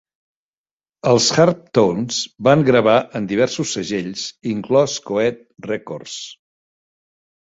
Els Hartptones van gravar en diversos segells, inclòs Coed Records.